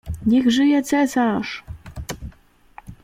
"Niech żyje cesarz!"